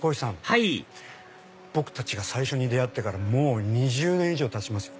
はい僕たちが最初に出会ってからもう２０年以上たちますよ。